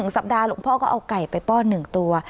สัปดาห์หลวงพ่อก็เอาไก่ไปป้อน๑ตัว